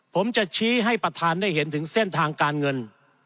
ผมจะชี้ให้ประธานได้เห็นถึงเส้นทางการเงิน